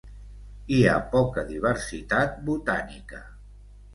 Hi ha poca diversitat botànica.